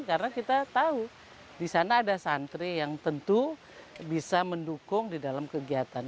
karena kita tahu di sana ada santri yang tentu bisa mendukung di dalam kegiatan